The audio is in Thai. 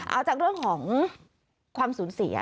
เอาจากเรื่องของความสูญเสีย